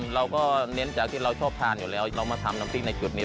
เราก็เน้นจากที่เราชอบทานอยู่แล้วเรามาทำน้ำพริกในจุดนี้